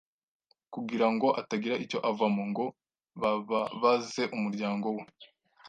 kugira ngo atagira icyo avamo ngo bababaze umuryango we".